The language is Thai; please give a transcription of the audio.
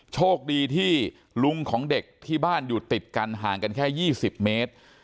โชคดีที่ลุงของเด็กที่บ้านอยู่ติดกันห่างกันแค่๒๐เมตร